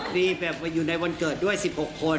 มีแบบอยู่ในวันเกิดด้วย๑๖คน